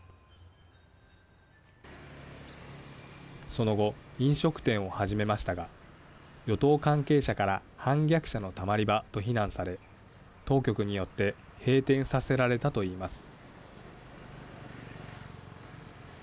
その後、飲食店を始めましたが与党関係者から反逆者のたまり場と非難され当局によって閉店させられたといいます。